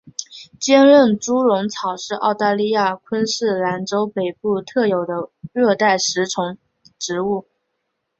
坚韧猪笼草是澳大利亚昆士兰州北部特有的热带食虫植物。